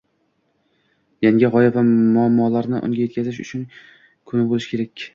– yangi g‘oya va muammolarni unga yetkazish kuni bo‘lishi kerak.